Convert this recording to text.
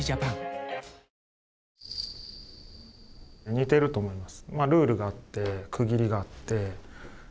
似てると思います。